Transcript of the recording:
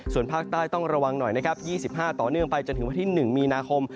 ส่วนภาคใต้ต้องระวังหน่อยนะครับ๒๕ต่อเนื่องไปจนถึงวันที่๑มีนาคม